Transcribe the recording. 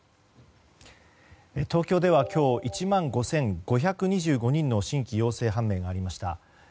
東京では今日１万５５２５人の新規陽性判明がありました。